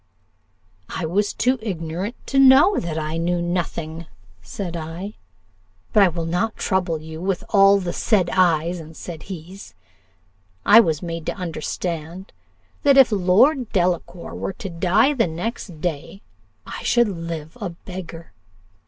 "'I was too ignorant to know that I know nothing,' said I. But I will not trouble you with all the said I's and said he's. I was made to understand, that if Lord Delacour were to die the next day, I should live a beggar.